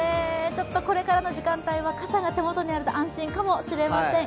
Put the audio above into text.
ちょっとこれからの時間帯は傘が手元にあると安心かもしれません。